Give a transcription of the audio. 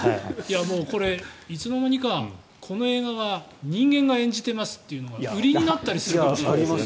これ、いつの間にかこの映画は人間が演じてますっていうのが売りになるかもしれない。